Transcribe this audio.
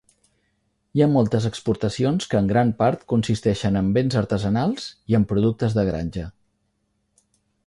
Hi ha moltes exportacions que en gran part consisteixen en béns artesanals i en productes de granja.